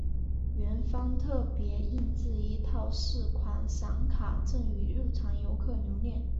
园方特别印制一套四款闪卡赠予入场游客留念。